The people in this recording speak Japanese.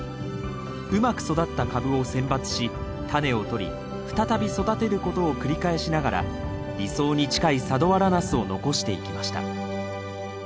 うまく育った株を選抜しタネをとり再び育てることを繰り返しながら理想に近い佐土原ナスを残していきました